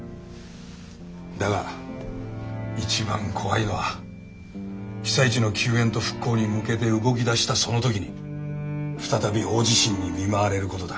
だが一番怖いのは被災地の救援と復興に向けて動き出したその時に再び大地震に見舞われることだ。